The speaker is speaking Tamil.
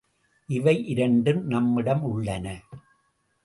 இவையிரண்டும் நம்மிடம் உள்ளன.